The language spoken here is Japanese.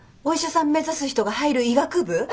お医者さん目指す人が入る医学部？